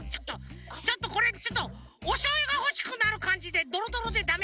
ちょっとこれちょっとおしょうゆがほしくなるかんじでドロドロでダメ